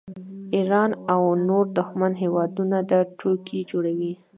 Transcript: ایران او نور دښمن هیوادونه دا ټوکې جوړوي